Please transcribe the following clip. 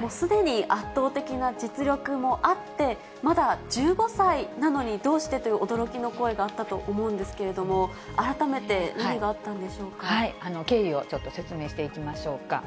もうすでに圧倒的な実力もあって、まだ１５歳なのにどうしてという驚きの声があったと思うんですけれども、経緯をちょっと説明していきましょうか。